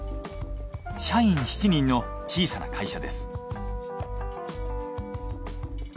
社員７人の小さな会社です。